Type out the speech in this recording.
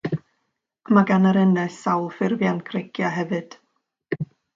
Mae gan yr ynys sawl ffurfiant creigiau hefyd.